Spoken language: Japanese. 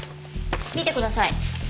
見てください。